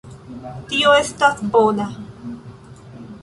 Tio estas bona.